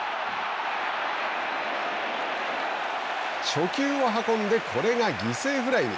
初球を運んでこれが犠牲フライに。